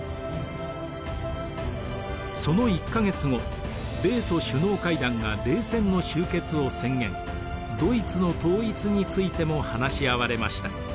その１か月後米ソ首脳会談が冷戦の終結を宣言ドイツの統一についても話し合われました。